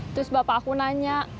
terus bapak aku nanya